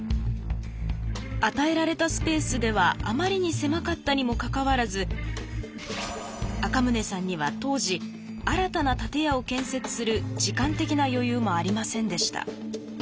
与えられたスペースではあまりに狭かったにもかかわらず赤宗さんには当時新たな建屋を建設する時間的な余裕もありませんでした。